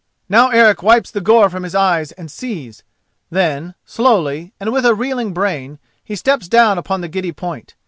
Now Eric wipes the gore from his eyes and sees. Then, slowly, and with a reeling brain, he steps down upon the giddy point.